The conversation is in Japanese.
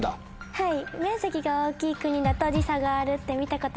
はい！